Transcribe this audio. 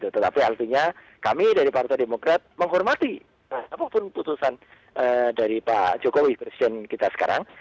tetapi artinya kami dari partai demokrat menghormati apapun putusan dari pak jokowi presiden kita sekarang